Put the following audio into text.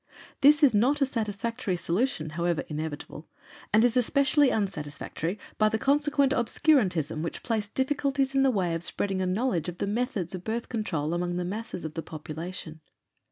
This is not a satisfactory solution, however inevitable, and is especially unsatisfactory by the consequent obscurantism which placed difficulties in the way of spreading a knowledge of the methods of Birth Control among the masses of the population.